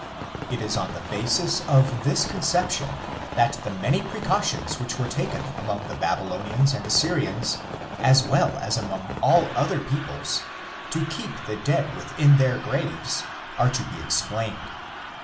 It is on the basis of this conception that the many precautions which were taken among the Babylonians and Assyrians, as well as among all other peoples, to keep the dead within their graves are to be explained."